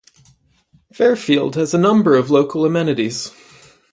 Fairfield has a number of local amenities.